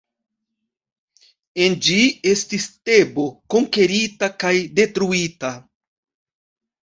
En ĝi estis Tebo konkerita kaj detruita.